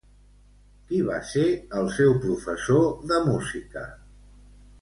Qui va ser el seu professor de música?